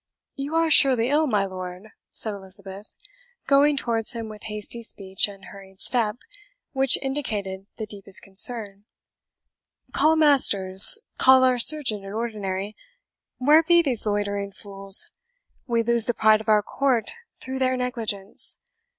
"You are surely ill, my lord?" said Elizabeth, going towards him with hasty speech and hurried step, which indicated the deepest concern. "Call Masters call our surgeon in ordinary. Where be these loitering fools? we lose the pride of our court through their negligence.